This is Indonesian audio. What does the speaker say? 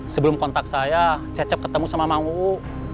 sebelum kontak saya cecep ketemu sama mang uu